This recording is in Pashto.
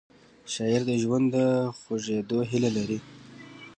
شاعر د ژوند د خوږېدو هیله لري